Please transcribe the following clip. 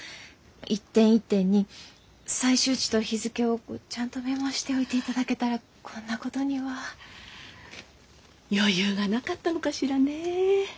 一点一点に採集地と日付をちゃんとメモしておいていただけたらこんなことには。余裕がなかったのかしらね。